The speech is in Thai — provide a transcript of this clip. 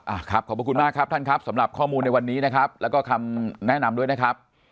อ่าครับขอบคุณมากครับท่านครับสำหรับข้อมูลในวันนี้นะครับแล้วก็คำแนะนำด้วยนะครับ